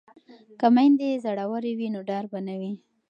که میندې زړورې وي نو ډار به نه وي.